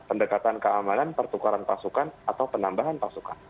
pendekatan keamanan pertukaran pasukan atau penambahan pasukan